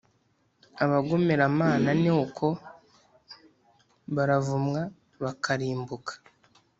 abagomeramana ni uko: baravumwa, bakarimbuka.